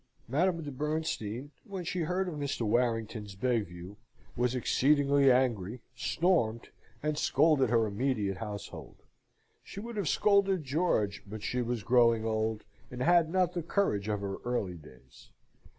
Madame de Bernstein, when she heard of Mr. Warrington's bevue, was exceedingly angry, stormed, and scolded her immediate household; and would have scolded George but she was growing old, and had not the courage of her early days.